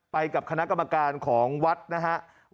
ไปกับคณะกรรมการของวัดนะครับ